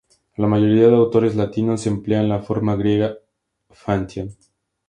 La mayoría de autores latinos emplean la forma griega "Pantheon".